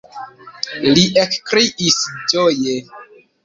li ekkriis ĝoje.